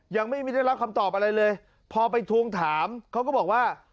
ยังไม่ได้รับคำตอบอะไรเลยพอไปทวงถามเขาก็บอกว่า